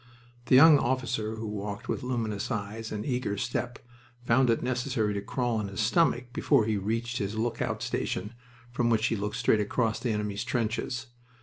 The young officer who walked with luminous eyes and eager step found it necessary to crawl on his stomach before he reached his lookout station from which he looked straight across the enemy's trenches.